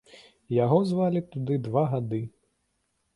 Яго звалі туды два гады.